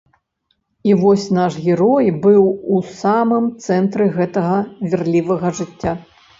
І вось наш герой быў у самым цэнтры гэтага вірлівага жыцця.